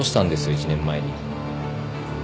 １年前に。